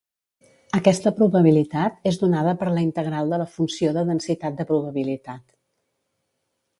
Aquesta probabilitat és donada per la integral de la funció de densitat de probabilitat